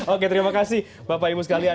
oke terima kasih bapak ibu sekalian